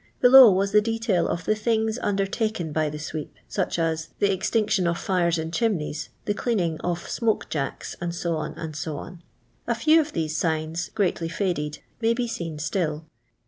Below was the detail of the things undertaken by the sweep, such as the ex tinction of fires in chimneys, the cleaning of smoke jacks, &c., ice. A few of these signs, greatly £ided, may be seen still.